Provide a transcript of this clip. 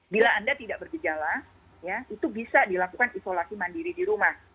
bila anda tidak bergejala ya itu bisa dilakukan isolasi mandiri di rumah